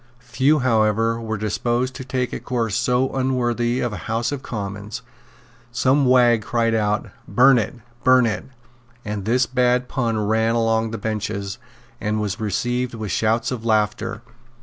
Few, however, were disposed to take a course so unworthy of a House of Commons. Some wag cried out, "Burn it; burn it;" and this bad pun ran along the benches, and was received with shouts of laughter.